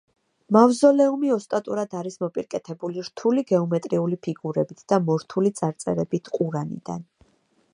მავზოლეუმი ოსტატურად არის მოპირკეთებული რთული გეომეტრიული ფიგურებით და მორთული წარწერებით ყურანიდან.